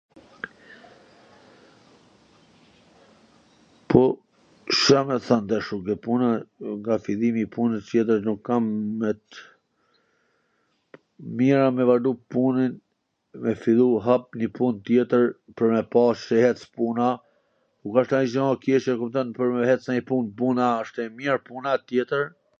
Po Ca me than tash, kjo puna, nga fillimi i punws tjetwr nuk kam met..., mir a me vazhdu punwn, me fillu hap njw pun tjetwr pwr me pa si hec puna, nuk asht nanjw gja e keqe kupton pwr me ec njw pun, puna asht e mir, puna tjetwr,